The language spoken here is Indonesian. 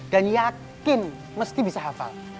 dan yakin mesti bisa hafal